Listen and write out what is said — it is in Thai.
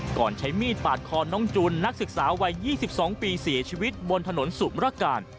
ใช้มีดปาดคอน้องจุนนักศึกษาวัย๒๒ปีเสียชีวิตบนถนนสุมรการ